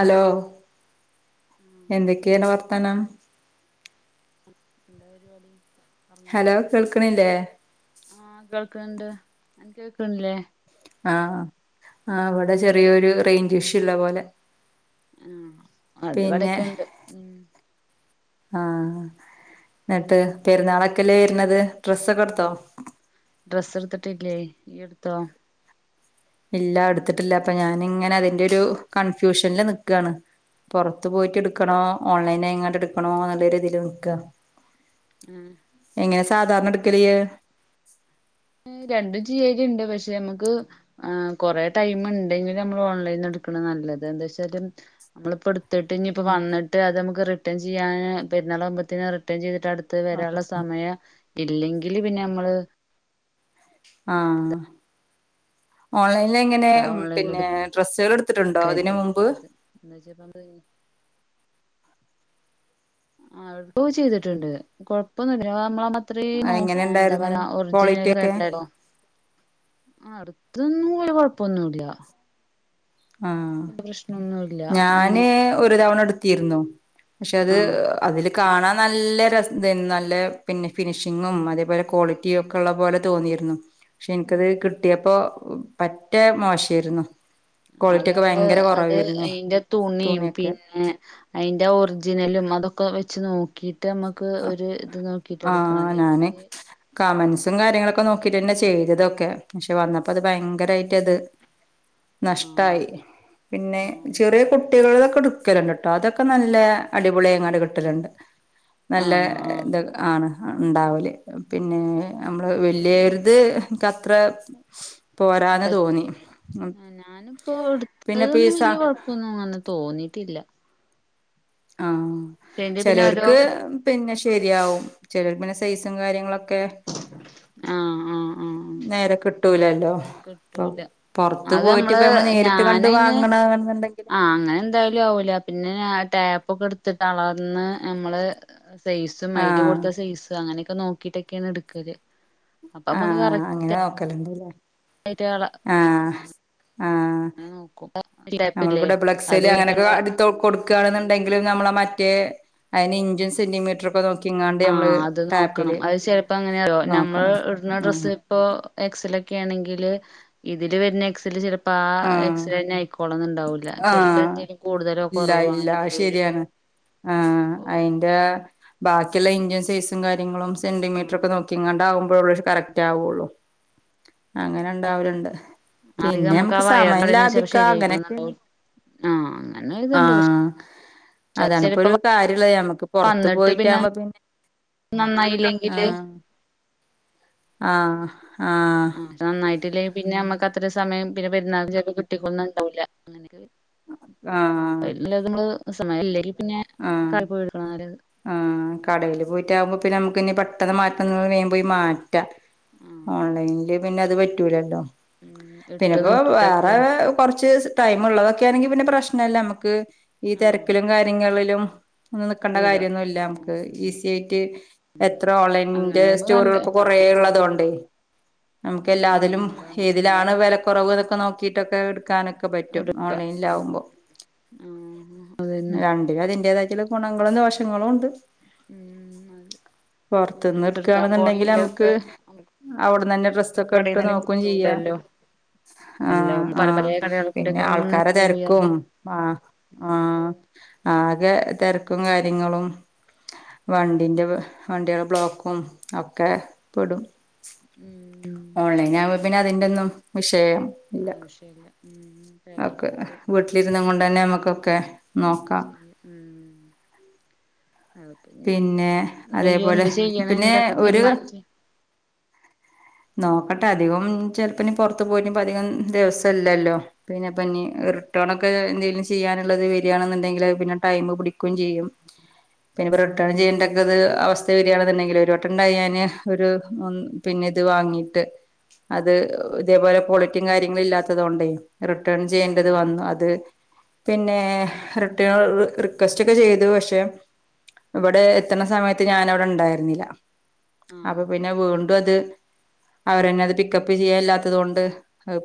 Hello ആഹ് എന്തൊക്കെയാണ് വർത്താനം. എന്താ പരിപാടി ഹലോ ഒറങ്ങാനായോ കേൾക്കണില്ലേ ആഹ് കേൾക്കണണ്ട് അനക്ക് കേക്കണില്ലേ ആഹ് ആഹ് ഇവിടെ ചെറിയൊരു റേഞ്ച് ഇഷ്യു ഉള്ള പോലെ ആഹ് അത് പിന്നെ ഇവിടൊക്കെ ഉണ്ട് ഉം ആഹ് എന്നിട്ട് പെരുന്നാളൊക്കെയല്ലേ വരുന്നത് ഡ്രസ്സൊക്കെ ഉം എടുത്തോ ഡ്രസ്സ് എടുത്തിട്ടില്ലേ ഈ എടുത്തോ ഇല്ല എടുത്തിട്ടില്ല അപ്പൊ ഞാനിങ്ങനെ അതിന്റെ ഒരു കൺഫ്യൂഷനില് നിക്കാണ് പൊറത്ത് പോയിട്ട് എടുക്കണോ ഓൺലൈനായിങ്ങാണ്ട് എടുക്കണോ എന്നുള്ള ഒരു ഇതിൽ നിൽക്കുക ഉം എങ്ങനെ സാധാരണ എടുക്കല് രണ്ടും ചെയ്യലുണ്ട് പക്ഷെ നമുക്ക് ആഹ് കൊറേ ടൈം ഉണ്ടെങ്കിൽ നമ്മള് ഓൺലൈനീന്ന് എടുക്കണ നല്ലത് എന്താവെച്ചാല് നമ്മളിപ്പോ എടു. ത്തിട്ട് ഇനി ഇപ്പോ വന്നിട്ട് അത് നമക്ക് റിട്ടേൺ ചെയ്യാൻ പെരുന്നാളാവുമ്പത്തേന് റിട്ടേൺ ചെയ്തിട്ട് അടു. ത്ത് വരാനുള്ള സമയം ഇല്ലെങ്കില് പിന്നെ നമ്മള് ആഹ് എന്താ ഓൺലൈനിൽ എങ്ങനെ ഓൺലൈനിൽ പിന്നെ ഡ്രസ്സുകൾ എടുത്തിട്ടുണ്ടോ ഇതിന് മുമ്പ് എന്ന്‌ വെച്ചാ ഇപ്പം എന്താ ചെയ്യുക ആഹ് എടുക്കുവൊക്കെ ചെയ്തിട്ടുണ്ട് കൊഴപ്പവൊന്നുവില്ല എങ്ങനെ ഉണ്ടായിരുന്നു ക്വാളിറ്റി ഒക്കെ [unintelligible] [unintelligible] ആഹ് അടുത്തൊന്നും വല്യ കൊഴപ്പവൊന്നും ഇല്ല ആഹ് പ്രശ്നൊന്നുല്ല ആ ഞാന് ഒരു തവണ എടുത്തീരുന്നു പക്ഷെ അത് ആഹ് അതില് കാണാൻ നല്ല ര ഇതേനി നല്ല പിന്നെ ഫിനിഷിങ്ങും അതേപോലെ ക്വാളിറ്റിയും ഒക്കെ ഉള്ള പോലെ തോന്നിയിരുന്നു പക്ഷെ എനിക്കത് ഉം കിട്ടിയപ്പോ പറ്റേ മോശായിരുന്നു അത് ക്വാളിറ്റി ഒക്കെ നമ്മള് ഭയങ്കര അത് കുറവായിരുന്നു അയിന്റെ തുണിം തുണിയൊക്കെ പിന്നെ. അതിന്റെ ഒറിജിനലും അതൊക്കെ വെച്ച് നോക്കിട്ട് നമ്മുക്ക് ഒരു ഇത് നോ. ആഹ് ഞാന്. കമൻസും കാര്യങ്ങളൊക്കെ നോക്കിട്ട്ന്നെ ചെയ്തതൊക്കെ പക്ഷെ വന്നപ്പോ അത് ഭയങ്കരാ യിട്ട് അത്. ആഹ് നഷ്ടായി. പിന്നെ ആഹ് ചെറിയ കുട്ടികൾതൊക്കെ എടുക്കലുണ്ട് ട്ടോ അതൊക്കെ നല്ല അടിപൊളി ആയിങ്ങാണ്ട് കിട്ടല്ണ്ട്. ആഹ് ആഹ് നല്ലത് ആണ്. ണ്ടാവല് പിന്നെ ഞമ്മള് വലിയൊരുത് ൻകത്ര. പറ്റീത് ഞാനിപ്പോ പിന്നെ എടുത്തതൊന്നും പീസ വല്യ കൊഴ ഒന്നും വന്ന് തോന്നിട്ടില്ല. ആ പക്ഷെ എങ്കി പിന്നെ ഓരോ ചെലോർക്ക്. പിന്നെ ശരിയാവും ചിലർക്ക് പിന്നെ സൈസും കാര്യങ്ങളൊക്കെ. ആഹ്, ആഹ്, ആഹ്. നേരെ കിട്ടൂലല്ലോ. ഇപ്പൊ കിട്ടൂല പുറത്ത് അത് പോയിട്ട് നമ്മള് ഇപ്പ നേരിട്ട് കണ്ട് ഞാനയ്ന് വാങ്ങണന്നുണ്ടെങ്കില് ആഹ് അങ്ങനെ എന്തായാലും ആവൂല. പിന്നെ ടാപ്പൊക്കെ എടുത്ത് തളർന്ന് ഞമ്മള്. സൈസും മയില് ആഹ് കൊടുത്ത സൈസ് അങ്ങനെയൊക്കെ നോക്കിട്ടൊക്കെയാണ് എടുക്കല്. അപ്പൊ നമ്മുക്ക് ആഹ് കറക്റ്റ് അങ്ങനെ നോക്കല്ണ്ട് ലേ. [unintelligible] ആഹ് [unintelligible] ടാപ്പില്ലേ അത്കഴിഞ്ഞിട്ട് ഞമ്മളെ തൊ കൊടുക്കാണെന്നുണ്ടെങ്കില് നമ്മളെ മറ്റേ അയിന് ഇഞ്ചൻ സെന്റീ മീറ്റ്ർ. പ്പോ നോക്കിങ്ങാ ആഹ് അത് നോക്കണം അത് ചെലപ്പോ അങ്ങനെയല്ലോ നമ്മള് നോക്കണം ഇട്ന്ന ആഹ് ഡ്രസ്സ്. ഇപ്പോ എക്സലൊക്കെ ആണെങ്കില് ഇതില് വരുന്ന എക്സല് ചെല അപ്പ ആ ആഹ് എക്സലന്നെ അയിക്കോളന്നുണ്ടാവൂല ചെലപ്പോ ആഹ് എന്തെലും കൂടുതലൊ ഇല്ല കൊറവൊ അങ്ങനെയൊക്കെ വരും. ആ അയിന്റ ബാക്കിയുള്ള ഇന്ത്യൻ സൈസും കാര്യങ്ങളും. ആഹ് സെന്റിമീറ്ററോക്കെ നോക്കിങ്ങാണ്ട് ആകുമ്പഴുള്ളോരു കറക്റ്റ് ആവുള്ളു. അങ്ങനെ ഇണ്ടാവല്ണ്ട്. പിന്നെ ഞമു അവയറിന്റവ്ട് ര്ന്ന് ചെളി ശരിയയിക്കുന്നുണ്ട ആഹ് അങ്ങനെ ഇത്ണ്ട് പക്ഷെ ആഹ് അത് അതാണിപ്പൊ ചിലപ്പോ ഒരു കാര്യള്ളത് ഞമ്മക്ക് പൊറത്ത് പോയിട്ടാകുമ്പോ പിന്നെ. നന്നായില്ലെങ്കില്. ആഹ് ആഹ് ആഹ് നന്നായിട്ടില്ലേ പിന്നെ നമ്മുക്ക് അത്ര സമയം പിന്നെ പെരുന്നാൾ ജെൽപെ കിട്ടിക്കൊന്നും ഉണ്ടാവൂല്ല അങ്ങനക്കെ പി ആ ആഹ് അപ്പ ഇല്ലാതമ്മള് സമയം ഇല്ലങ്കിം പിന്നെ കാൽപോയി എടുക്കണം. ആ കടെല് പോയിട്ടാകുമ്പോപിന്നെ നമുക്ക് ഇനി പെട്ടെന്ന് മാറ്റം വേം പോയി മാ റ്റ ആഹ് അതാണ് ഓൺലൈനില് പിന്നെ അത് പറ്റൂലല്ലോ ഉം ഇട്ട് പിന്നെപ്പോ നോക്കിട്ടൊക്കെ വേറെ കുറച്ച് ടൈമ് ഉള്ളതൊക്കൊണെങ്കി പിന്നെ പ്രശ്നല്ല നമുക്ക് ഈ ആഹ് തിരക്കിലും കാര്യങ്ങളിലും ഒന്നും നിക്കേണ്ട ഇടാ കാര്യന്നും ഇല്ല ഉം നമുക്ക് ഉം ഈസി ആയിട്ട് എത്ര ഓൺലൈന്റെ അങ്ങനെയാവുമ്പോ നല്ല സ്റ്റോറുകള് ഇതാണ് കുറെ ഇള്ളത് ഉം കൊണ്ടെ നമുക്ക് ആഹ് എല്ലാതിലും അതാണ് നമ്മള് ഏതിലാണ് വെല കുറവ്നൊക്കെ നോക്കിയിട്ടൊക്കെ എടുക്കാനൊക്കെ ക്കെപറ്റും എടുക്ക ഉം ഓൺലൈലാവുമ്പോ ആഹ് അതന്നെ ര അതിന്റേതായിട്ടുള്ള ഗുണങ്ങളും ദോഷങ്ങളും ഉണ്ട്. ഉം അത. പൊറത്ത്ന്ന് എടുക്കയാണന്നുണ്ടെങ്കില് നമുക്ക് പോണെങ്കിലൊക്കെ അവിടന്ന് തന്നെ ഡ്രസ്സ് ഒക്കെ കടയിൽ ഇട്ട് തന്നെ നോക്കോം ചെയ്യാം കിട്ടൂലല്ലോ നല്ല ആഹ് പല പല ആഹ് കടകളി പിന്നെ കൂടെക്കെ ഇങ്ങനെ ആൾക്കാരെ പോയി തെരക്കും അറിഞ്ഞ് ആഹ് ഉം ആഹ് ആകെ തെര്ക്കും കാര്യങ്ങളും അതെ വണ്ടിന്റെ വേ വണ്ടികളെടെ ബ്ലോക്കും ഒക്കെ പെടും ഉം ഓൺലൈന പിന്നെ അതിൻ്റെ ഒന്നും വിഷയേ അത് ശരിയ ഓക്കെ വീട്ടിലിരുന്നു കൊണ്ട് തന്നെ നമ്മുക്കൊക്കെ നോക്കാം ചെയ്യും ഉം അതെ പിന്നെ ന്ന്ട്ട് യ്യ് അതേപോലെ എന്താ ചെയ്യണേ പിന്നെ എന്നിട്ട് എന്ത ഒരു തീരുമാനിച്ചെ നോക്കട്ടെ അധികം ചെലപ്പനി പുറത്ത്. പോയിട്ട്പ്പ അധികം ദിവസംല്ലല്ലോ പിന്നെ പനി റിട്ടേണ ഒക്കെ എന്തെങ്കിലും ചെയ്യാനുള്ളത് വരികയാണെന്നുണ്ടെങ്കില് പിന്നെ ടൈം ക്കും ചെയ്യും പിന്നെ ഇപ്പോൾ റിട്ടേൺ ചെയ്യേണ്ടക്കത് അവസ്ഥ വരികയാണെന്നുണ്ടെങ്കിൽ ഒരു വട്ടം ഉണ്ടായി ഞാന് ഒരു ഒൻ പിന്നെ ഇത് വാങ്ങിട്ട് അത് ഇതേപോലെ പൊളിറ്റിങ്ങ് കാര്യങ്ങള് ഇല്ലാത്തത് കൊണ്ടേ റിട്ടേൺ ചെയ്യേണ്ടത് ആഹ് വന്നു അത് പിന്നെ റിട്ടേൺ റിക്വസ്റ്റ് ഒക്കെ ചെയ്തു പക്ഷേ ഇവിടെ എത്ത്ണ് സമയത്ത് ഞാനവിടെ ഇണ്ടായിരുന്നില്ല ആഹ് അപ്പൊ പിന്നെ വീണ്ടും അത് അവരന്നെ അത് പിക്കപ്പ് ചെയ്യാൻ ഇല്ലാത് കൊണ്ട്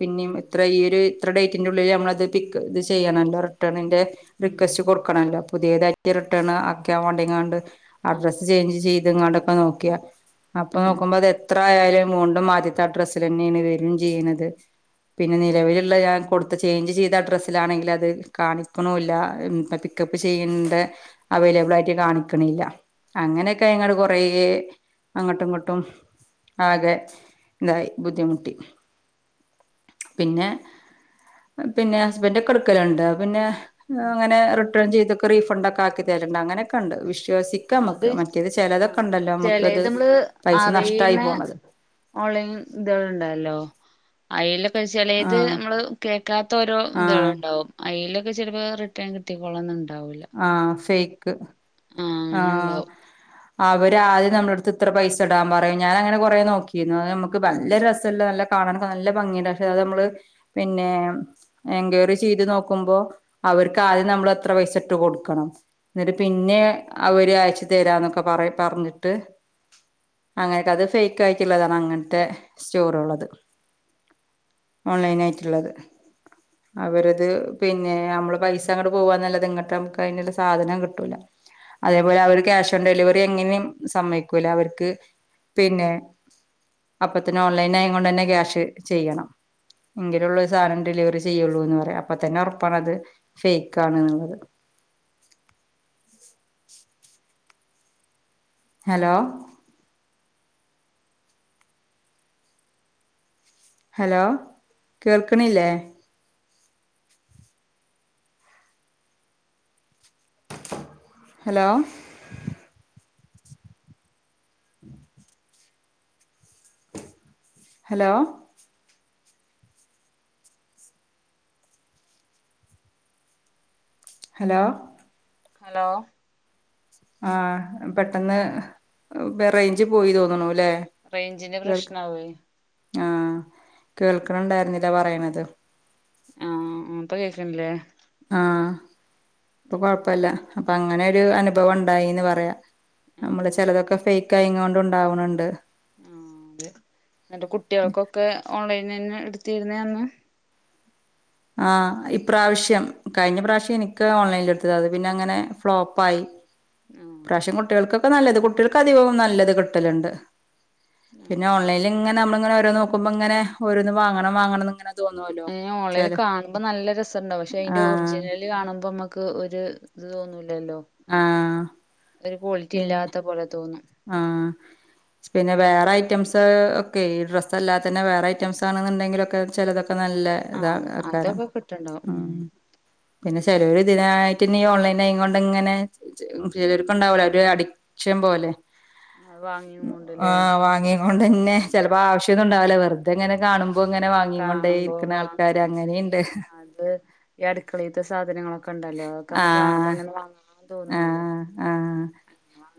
പിന്നിം ആഹ് ഇത്ര ഈ ഒരു ഇത്ര ഡേറ്റിന്റെ ഉള്ളിൽ നമ്മളത് പിക്ക് ഇത് ചെയ്യണല്ലോ ചെയ്യണം റിട്ടേണിന്റെ ഉം റിക്വസ്റ്റ് കൊടുക്കണമല്ലോ പുതിയത ക്കി റിട്ടേണ് ആക്കിയ വണ്ടിങ്ങാണ്ട് ആഹ് അഡ്രസ്സ് ചേഞ്ച് ചെയ്ത് ഇങ്ങാണ്ടൊക്കെ നോക്കിയ അപ്പൊ ആഹ് നോക്കുമ്പോ അത് എത്ര ആയാലും വിണ്ടും മാദ്യത്തെ ആ ഡ്രസ്സൽ തന്നെയാണ് വരും ചെയ്യുണത് പിന്നെ ആഹ് നിലവില്ള്ളയാക്ക് കൊട് ഇപ്പോ ചേഞ്ച് ചെയ്ത അഡ്രസ്സിലാണെങ്കിൽ അത് കാണിക്ക്ണുല്ല ഇപ്പം പിക്കപ്പ് ചെയ്യണ്ട അവൈലബിൾ ആയിട്ട് കാണിക്ക്ണില്ല അങ്ങനെയൊക്കെ ങ്ങട് കൊറ അങ്ങോട്ടും ഇങ്ങോട്ടും ആകെ ഇതായി ബുദ്ധിമുട്ടി പിന്നെ പിന്നെ ഹസ്ബൻണ്ടൊക്കെ എടുക്കലുണ്ട് പിന്നെ ആ ഉം അങ്ങനെ റിട്ടേൺ ചെയ്തക്കെ റീഫണ്ട് ഒക്കെ ആക്കിതരണ്ട് അങ്ങനെയൊക്കെണ്ട് വിശ്വസിക്ക ക്കാം അത് നമക്ക് മറ്റേത് ആഹ് ചിലതൊക്കെണ്ടല്ലോ നമക്കത് ചെലേത് നമ്മള് പൈസ നഷ്ടമായി അറിയ്ണ ഓൺലൈൻ ഇത്ണ്ടല്ലോ അതിലൊക്കെ ചെലേത് ആഹ് നമ്മള് കേക്കാത്ത ഓരോ ആഹ് ഇതളണ്ടാവും അതിലൊക്കെ ചിലപ്പോ റിട്ടേൺ കിട്ടിക്കോളണന്നുണ്ടാവില്ല ആഹ് ഫേക്ക് അങ്ങനെ ആഹ് ഇണ്ടാവും അവര് ആദ്യം നമ്മുടെടുത്ത് ഇത്ര പൈസ ഇടാൻ പറയും ഞാനങ്ങനെ കൊറേ നോക്കിരുന്നു അത് നമുക്ക് നല്ല രസള്ള നല്ല കാണാനൊക്കെ നല്ല ഭംഗിയുണ്ട് പക്ഷെ അത് നമ്മള് പിന്നെ എൻക്വയറി ചെയ്ത് നോക്കുമ്പോ അവർക്ക് ആദ്യം നമ്മൾ എത്ര പൈസ ഇട്ട് കൊടുക്കണം എന്നിട്ട് പിന്നെ അവര് അയച്ച് തരാന്നൊക്കെ പറയും പറഞ്ഞിട്ട് അങ്ങനെയോക്ക അത് ഫേക്ക് ആയിട്ടുള്ളതാണ് അങ്ങനത്തെ സ്റ്റോറുള്ളത് ഓൺലൈനായിട്ടുള്ളത് അവരത് പിന്നെ നമ്മള് പൈസ അങ്ങോട്ട് പോവാനല്ലത് ഇങ്ങോട്ട് നമുക്ക് അതിനുള്ള സാധനം കിട്ടൂല അതേപോലെ അവർ ക്യാഷ് ഓൺ ഡെലിവറി എങ്ങനെയും സമ്മയിക്കൂല അവർക്ക് പിന്നെ അപ്പ തന്നെ ഓൺലൈനായുകൊണ്ട് തന്നെ ക്യാഷ് ചെയ്യണം എങ്കിലേയുള്ളൂ സാധനം ഡെലിവറി ചെയ്യുള്ളൂന്ന് പറയാ അപ്പൊ തന്നെ ഉറപ്പാണത് ഫേക്ക് ആണ്ന്നുള്ളത് ഹലോ ഹലോ കേൾക്കണില്ലേ ഹലോ ഹലോ ഹലോ ഹലോ ആ പെട്ടെന്ന് റെയ്ഞ്ച് പോയി തോന്ന്ണൂലെ. റേയ്ഞ്ചിന്റെ പ്രശ്നാവും അത്. ആഹ് കേൾക്കണണ്ടായിരുന്നില്ല പറയ്ണത്. ഉം ഉം ഇപ്പ കേക്ക്ണ്ട്ലെ. ആഹ് ഇപ്പൊ കൊഴപ്പല്ല. അപ്പൊ അങ്ങനൊരു അനുഭവം ഇണ്ടായീന്ന് പറയാ. നമ്മള് ആഹ് ചെലതൊക്കെ ഫെയ്ക്ക് ആയി കൊണ്ട് ഇണ്ടാവ്ണ് ഇണ്ട്. ആഹ് അതെ. ഇന്നട്ട് കുട്ട്യേൾക്കൊക്കെ ഓൺലൈൻനന്നെ ഇടുത്തിരുന്നെന്ന്. ആ ഇപ്രാവശ്യം. കഴിഞ്ഞ പ്രാവശ്യം എനിക്ക് ഓൺലൈന്ല്ട്ത്ത്. അത് പിന്നെ അങ്ങനെ ഫ്ലോപ്പായി. ആഹ് ഇപ്രാവശ്യം കുട്ടികൾക്കൊക്കെ നല്ലത്. കുട്ടികൾക്ക് അധികവും നല്ലത് കിട്ടല്ണ്ട്. ഉം. പിന്നെ ഓൺലൈൻല് ഇങ്ങന നമ്മള്ങ്ങനെ ഓരോന്നോക്ക്മ്പങ്ങനെ ഓരോന്ന് വാങ്ങണം വാങ്ങണം ഇന്ന്ങ്ങനെ എ ഓൻലൈൻല്കാണുമ്പോ നല്ല രസണ്ടാവും. പക്ഷെ അയിന്റെ ആഹ് ഒറിജിനല് കാണുമ്പമ്മക്ക് ഒരു ഇത് തോന്നൂലല്ലൊ. ആഹ് ഒരു ക്വാളിറ്റി പിന്നെ ഇല്ലാത്ത പോലെ തോന്നും. ആഹ്. പിന്നെ വേറെ ഐറ്റംസ് ഒക്കെ ഈ ഡ്രസ്സ് അല്ലാത്ത തന്നെ വേറെ ഐറ്റംസ് ആണ്ന്ന്ണ്ടെങ്കിലൊക്കെ ചെലതൊ ഒക്ക നല്ല ഇതാ ആഹ് ആ ക്കാരം അതൊക്കെ കിട്ടണ്ടാവും ഉം ആഹ്. പിന്നെ ചേലോരിതിനായിട്ട്ന്നെ ഈ ഓൺലൈൻ ആയ് കൊണ്ടിങ്ങനെ ചെലോർക്ക്ണ്ടാവല്ലൊ ഒരു ഉം അഡിക്ഷൻ പോലെ. അത് ആ വാങ്ങിയുംകൊണ്ടല്ലേ വാങ്ങിയ കൊണ്ടെന്നെ. ചെലപ്പൊ ആവശ്യന്നും ഉണ്ടാവുല. വെറുതെ ഇങ്ങനെ കാണുമ്പ ഇപ്പ ഇങ്ങനെ വാങ്ങി കൊണ്ടേ കാണുമ്പോ ഇരിക്ക്ണ വാങ്ങ ആൾക്കാര്. അങ്ങനി ഉം ഇണ്ട്. അത് ഈ അടുക്കളീത്തെ സാധനങ്ങളൊക്കെ ഇണ്ടല്ലോ. അ ഒക്കെ നമ്മുക്ക് കാണുമ്പ ആഹ് ഇങ്ങനെ [unintelligible] തോന്നോല്ലോ ആഹ് ആഹ് [unintelligible]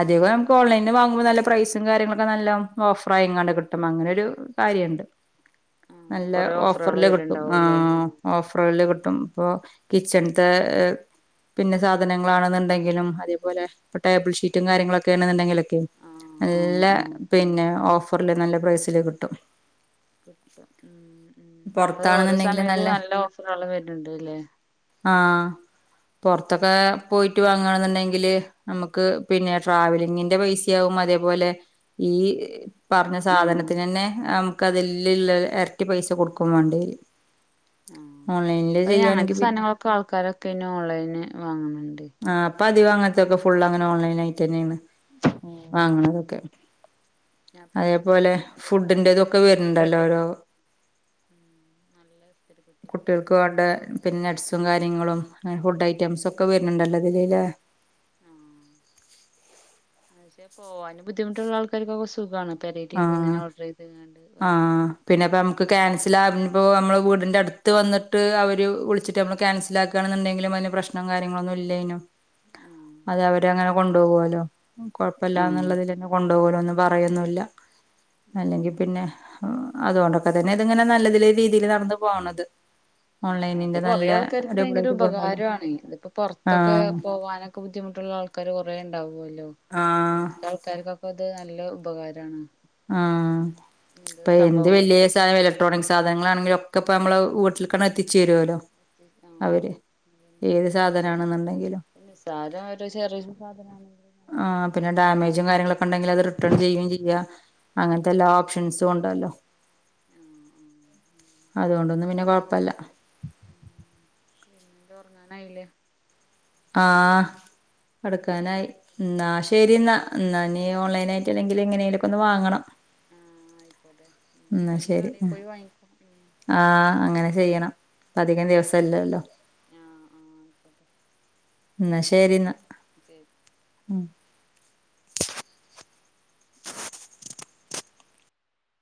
അധികം നമുക്ക് ഓൺലൈൻന്ന് വാങ്ങുമ്പ നല്ല പ്രൈ കാര്യങ്ങളൊക്കെ നല്ലൊം ഓഫറായിങ്ങാണ്ട് കിട്ടും. അങ്ങനൊരു കാര്യ ഇണ്ട്. ആഹ് നല്ല കൊറേ ഓഫറുകൾ ഓഫറ്ല് കിട്ടും. വരുണ്ടാവുംല്ലേ ആഹ്. ഓഫറുകളില് കിട്ടും. ഉം ഇപ്പൊ കിച്ചണ്ത്തെ പിന്നെ സാധനങ്ങളാണെന്ന്ണ്ടെങ്കിലും അതേപോലെ ടേബിൾഷീറ്റ് റ്റും കാര്യങ്ങളൊക്കെ ആണ്ന്നുണ്ടെങ്കിലൊക്കെ ആഹ് ആഹ് നല്ല ആഹ് പിന്നെ ഓഫറിൽ നല്ല പ്രൈസില് കിട്ടും. കിട്ടും ഉം ഉം അത് ഓരോ സമയത്ത് നല്ല ഓഫറ്കള് വരുന്ന്ണ്ട്ല്ലെ. ആ പൊറ്ത്തൊക്കെ പോയിട്ട് വാങ്ങാണ് ഇന്നുണ്ടെങ്കില് നമക്ക്. പിന്നെ ട്രാവലിങ്ങിന്റെ പൈസയാകും. അതേപോലെ ഈ പറഞ്ഞ ഉം സാധനത്തിനെന്നെ നമുക്ക് അതിലിള്ളെ എരട്ടി പൈസ കൊടുക്കുംവാണ്ട്യേരും. ആ അപ്പൊ അങ്ങൻത്തെ സാധനങ്ങളൊക്കെ ആൾക്കാരൊക്കെ ഇന്നെ ഓൺലൈൻ വാങ്ങ്ണ് ഇണ്ട്. ആ ഇപ്പ അധികും അങ്ങൻത്തൊക്കെ ഫുള്ള് അങ്ങനെ ഓൺലൈൻ ആയിട്ടെന്നേണ് വാങ്ങ്ണതൊക്കെ. ഞാൻ ഇപ്പ ഇന്നാള് ഇസ്തിരിപെട്ടി വാങ്ങി രണ്ട് വര്ണ്ടല്ലോ വെട്ടെട്ട് ഓരോ വാങ്ങി. ഉം നല്ലത് കുട്ട്യേൾക്ക് വേണ്ട പിന്നെ നട്സും കാര്യങ്ങളും ഫുഡ് ഐറ്റംസൊക്കെ ഒക്കെ വരുന്ണ്ടല്ലോ ഇതില് ലെ. ആ പക്ഷെ പോവാനു ബുദ്ധിമുട്ടുള്ള ആൾക്കാർക്കൊക്കെ സുഖാണ്. പേരീറ്റ് ഇങ്ങനെ ഓഡ്രർ ചെയ്ത്ങ്ങാണ്ട്. ആ വാങ്ങിയാ മതി പിന്നെ ഇപ്പ നമക്ക് ക്യാൻസല് ആറ്ണപൊ നമ്മള് വീടിന്റെ അടുത്ത് വന്നിട്ട് അവർ വിളിച്ചിട്ട നമ്മള് ക്യാൻസല് ആക്കാണ് ഇണ്ടെങ്കിലും അതിന് പ്രശ്നം കാര്യങ്ങളൊന്നുല്ലേനും. അതെ ആഹ് അവര് അങ്ങനെ കൊണ്ടുപോകുവല്ലോ ആഹ് കുഴപ്പല്ലാന്നുള്ളതിൽ തന്നെ കൊണ്ടോവോലൊന്നും പറയൊന്നുല്ല ആഹ് അല്ലെങ്കിൽ പിന്നെ അതുകൊണ്ടൊക്കെ തന്നെ ഇതിങ്ങനെ നല്ലരീതിയിൽ നടന്നു പോണത് അതാ അത് ഓൺലൈനിന്റെ കൊറേ നല്ല ആൾക്കാർക്ക് ഭയങ്കര അടിപൊളിയായിട്ട് പോണുണ്ടല്ലോ ഉപകാരാണ് ഇതിപ്പോ പൊറത്തൊക്കെ ആഹ് പോവാനൊ ക്കെ ബുദ്ധിമുട്ടുള്ള ആൾക്കാർ കൊറേ ഉണ്ടാവുല്ലോ ആഹ് അങ്ങൻത്തെ ആൾക്കാർക്കൊക്കെ ത് നല്ല ഉപകാരാണ് ആ ഇങ്ങനത്തെ ഇപ്പൊ എന്ത് വലിയ സംഭവങ്ങളൊക്കെ സം വില ഇക്ട്രോണിക് സാധനങ്ങളാണെങ്കിലൊക്കെ ഇപ്പോ നമ്മളെ വീട്ടിക്കൽ എത്തിച്ചു തരുല്ലോ ആ അവര് പിന്നെ ഏത് സാധനാണെന്നുണ്ടെങ്കിലും നിസ്സാരം ഒരു ചെറിയ സാധനാണെങ്കിലും ആ നമുക്ക് പിന്നെ കൊടുന്നിട്ടുണ്ട് ഡാമേജും കാര്യങ്ങളൊക്കെ ഉണ്ടെങ്കിൽ അത് റിട്ടേൺ ചെയ്യുകയും ചെയ്യാ ഉം അങ്ങൻത്തെ എല്ലാ ഓപ്ഷൻസും ഉണ്ടല്ലോ ആ ആ അതുകൊണ്ടൊന്നും പിന്നെ കുഴപ്പല്ല പിന്നെന്താ ഉറങ്ങാനായില്ലേ ആ ഉം കെടക്കാനായി എന്നാ ശരി എന്നാ ആ എന്ന നീ ശരി ഓൺലൈനായി പറ്റുല്ലെങ്കിൽ എങ്ങനെലൊക്കെ ഒന്ന് വാങ്ങണം ആ ആയിക്കോട്ടെ കഴിഞ്ഞ കടയിൽ പോയി വാങ്ങിക്കോ ഉം ആ അങ്ങനെ ചെയ്യണം ഉം അധികം ദിവസല്ലല്ലോ ആ ആ ആയിക്കോട്ടെ എന്ന ശരി എന്നാ ശരി ഉം